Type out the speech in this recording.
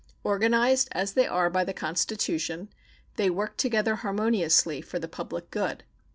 Organized, as they are, by the Constitution, they work together harmoniously for the public good.